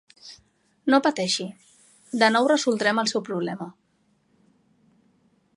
No pateixi, de nou resoldrem el seu problema.